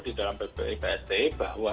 di dalam pbi psd bahwa